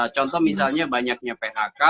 contoh misalnya banyaknya phk